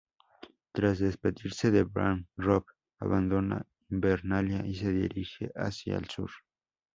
Tras despedirse de Bran, Robb abandona Invernalia y se dirije hacia el sur.